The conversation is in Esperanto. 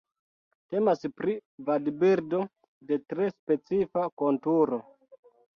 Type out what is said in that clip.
Temas pri vadbirdo de tre specifa konturo.